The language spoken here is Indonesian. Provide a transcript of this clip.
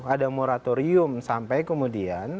ada moratorium sampai kemudian